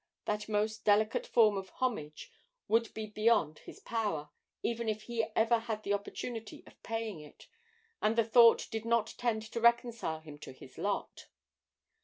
That most delicate form of homage would be beyond his power, even if he ever had the opportunity of paying it, and the thought did not tend to reconcile him to his lot.